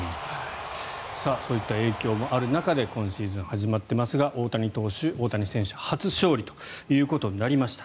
そういった影響もある中で今シーズン始まっていますが大谷投手、大谷選手初勝利ということになりました。